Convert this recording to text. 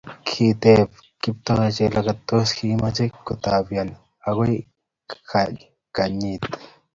kiteebe Kiptoo Jelagat tos kimochei kotambian akoi kaitanyin